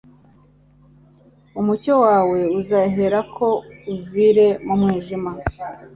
Umucyo wawe uzaherako uvire mu mwijima,